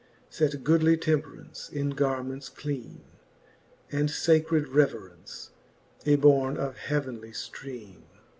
Sate goodly Temperance in garments clene, And facred Reverence, y borne of heavenly ftrene.